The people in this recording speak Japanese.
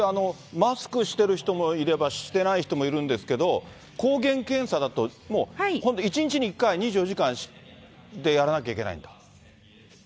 マスクしてる人もいれば、してない人もいるんですけれども、抗原検査だと、もう本当１日に１回、２４時間でやらなきゃいけないんだ？